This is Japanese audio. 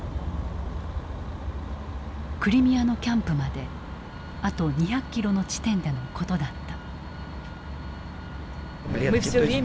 クリミアのキャンプまであと２００キロの地点でのことだった。